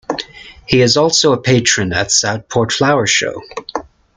He is also a patron at Southport Flower Show.